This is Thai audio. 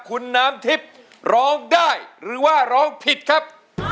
คุณน้ำทิพย์ร้องได้หรือว่าร้องผิดครับ